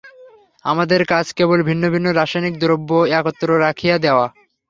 আমাদের কাজ কেবল ভিন্ন ভিন্ন রাসায়নিক দ্রব্য একত্র রাখিয়া দেওয়া।